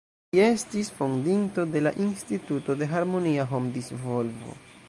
Li estis fondinto de la Instituto de Harmonia Hom-Disvolvo.